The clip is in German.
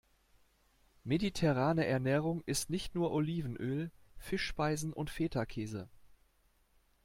Mediterrane Ernährung ist nicht nur Olivenöl, Fischspeisen und Fetakäse.